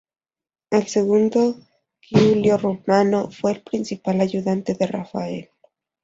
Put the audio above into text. El segundo, Giulio Romano, fue el principal ayudante de Rafael.